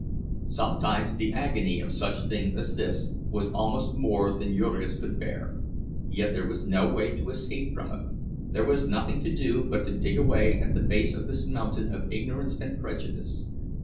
Sometimes the agony of such things as this was almost more than Jurgis could bear; yet there was no way of escape from it, there was nothing to do but to dig away at the base of this mountain of ignorance and prejudice.